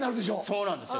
そうなんですよ